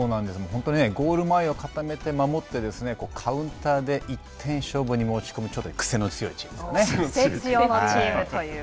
本当ね、ゴール前を固めて守ってカウンターで１点勝負に持ち込むちょっとくせの強いチームですね。